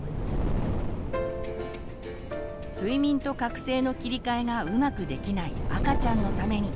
睡眠と覚醒の切り替えがうまくできない赤ちゃんのために。